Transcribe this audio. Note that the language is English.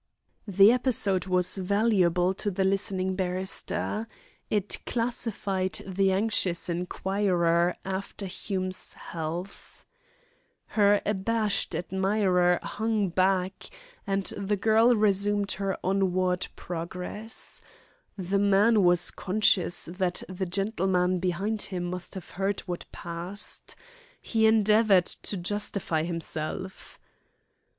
The episode was valuable to the listening barrister. It classified the anxious inquirer after Hume's health. Her abashed admirer hung back, and the girl resumed her onward progress. The man was conscious that the gentleman behind him must have heard what passed. He endeavoured to justify himself.